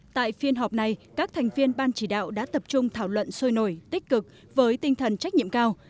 tại phiên họp này các thành viên ban chỉ đạo đã tập trung thảo luận sôi nổi tích cực với tinh thần trách nhiệm cao